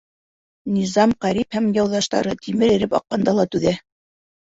Низам Ҡәрип һәм яуҙаштары тимер иреп аҡҡанда ла түҙә.